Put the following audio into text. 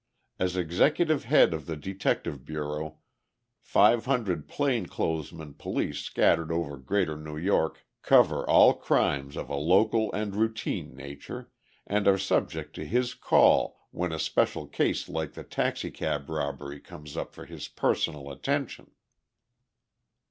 As executive head of the detective bureau, five hundred plain clothes policemen scattered over Greater New York cover all crimes of a local and routine nature, and are subject to his call when a special case like the taxicab robbery comes up for his personal attention.